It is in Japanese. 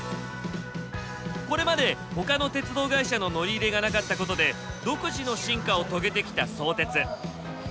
これまで他の鉄道会社の乗り入れがなかったことで独自の進化を遂げてきた相鉄。